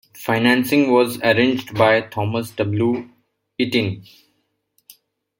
Financing was arranged by Thomas W Itin.